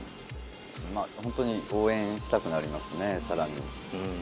本当に応援したくなりますね、さらに。